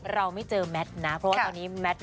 เราไม่เจอแมทนะเพราะว่าตอนนี้แมท